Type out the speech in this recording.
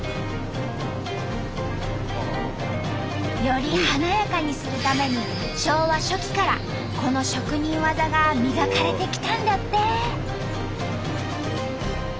より華やかにするために昭和初期からこの職人技が磨かれてきたんだって。